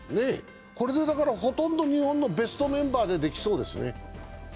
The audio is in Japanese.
これでほとんど日本のベストメンバーでできそうですね。